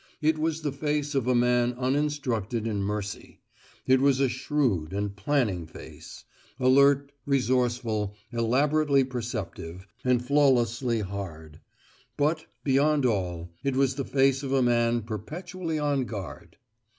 It was the face of a man uninstructed in mercy; it was a shrewd and planning face: alert, resourceful, elaborately perceptive, and flawlessly hard. But, beyond all, it was the face of a man perpetually on guard.